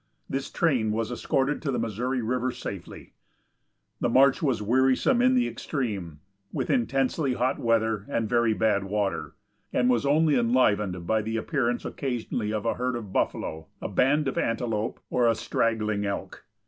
This train was escorted to the Missouri river safely. The march was wearisome in the extreme, with intensely hot weather and very bad water, and was only enlivened by the appearance occasionally of a herd of buffalo, a band of antelope, or a straggling elk.